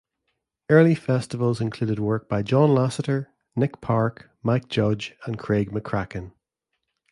Early festivals included work by John Lasseter, Nick Park, Mike Judge, and Craig McCracken.